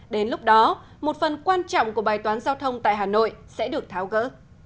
đến lúc đó một phần quan trọng của bài toán giao thông tại hà nội sẽ được tháo gỡ